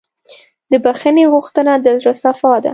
د بښنې غوښتنه د زړه صفا ده.